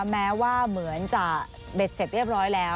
แม้ว่าเหมือนจะเบ็ดเสร็จเรียบร้อยแล้ว